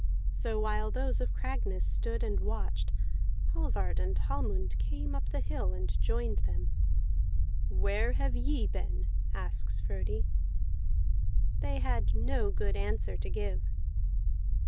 So while those of Cragness stood and watched, Hallvard and Hallmund came up the hill and joined them. "Where have ye been?" asks Frodi. They had no good answer to give.